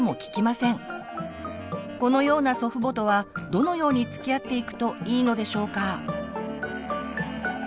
このような祖父母とはどのようにつきあっていくといいのでしょうか？